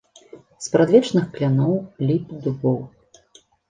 Спрадвечных кляноў, ліп, дубоў.